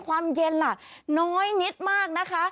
ความเย็นล่ะน้อยนิดมากนะคะ